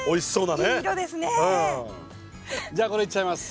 じゃあこれいっちゃいます。